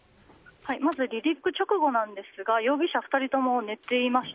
まず離陸直後ですが容疑者２人とも寝ていました。